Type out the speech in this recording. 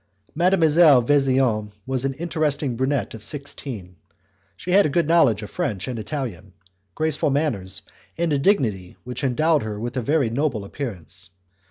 Mademoiselle Vesian was an interesting brunette of sixteen. She had a good knowledge of French and Italian, graceful manners, and a dignity which endowed her with a very noble appearance.